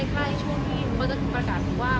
ใกล้ช่วงที่ก็ถึงประกาศว่า